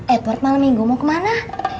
edward malam minggu mau kemana